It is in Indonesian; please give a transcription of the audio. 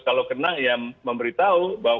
kalau kena ya memberitahu bahwa